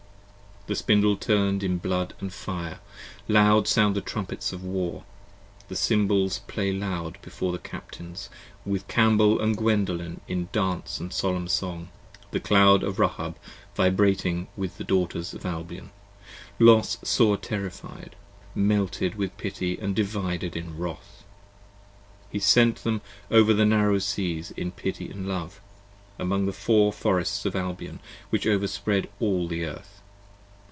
The Spindle turn'd in blood & fire : loud sound the trumpets Of war: the cymbals play loud before the Captains, With Cambel & Gwendolen in dance and solemn song. 40 The Cloud of Rahab vibrating with the Daughters of Albion, Los saw terrified, melted with pity & divided in wrath: He sent them over the narrow seas in pity and love Among the Four Forests of Albion which overspread all the Earth.